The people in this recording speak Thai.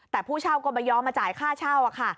แต่ผู้เช่าก็ไม่ยอมมาจ่ายค่าเช่าค่ะ